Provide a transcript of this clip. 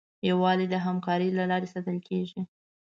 یووالی د همکارۍ له لارې ساتل کېږي.